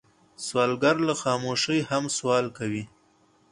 سوالګر له خاموشۍ هم سوال کوي